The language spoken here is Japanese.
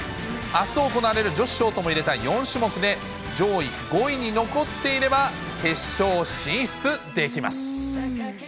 あす行われる女子ショートも入れた４種目で、上位５位に残っていれば決勝進出できます。